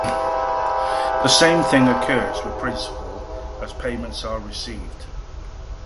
The same thing occurs with principal as payments are received.